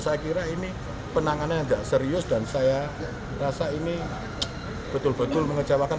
saya kira ini penangannya nggak serius dan saya rasa ini betul betul mengecewakan